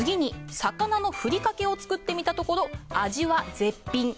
次に魚のふりかけを作ってみたところ味は絶品。